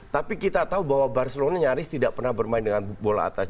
tapi kita tahu bahwa barcelona nyaris tidak pernah bermain dengan bola atas